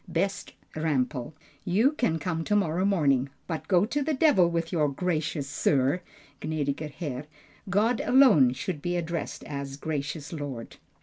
_ BEST RAMPEL, You can come to morrow morning, but go to the devil with your "Gracious Sir," (Gnädiger Herr). God alone should be addressed as "Gracious Lord."